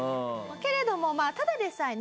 けれどもただでさえね